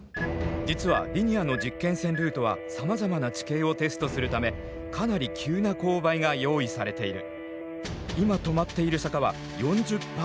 実はリニアの実験線ルートはさまざまな地形をテストするためかなり急な勾配が用意されている。